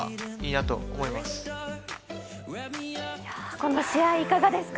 この試合、いかがですか？